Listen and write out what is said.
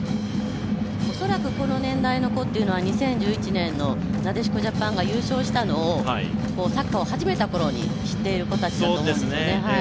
恐らくこの年代の子は２０１１年のなでしこジャパンが優勝したのをサッカーを始めた頃に知っている子たちだと思うんですね。